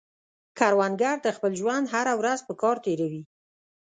کروندګر د خپل ژوند هره ورځ په کار تېروي